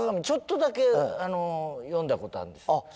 ちょっとだけ読んだことあるんです。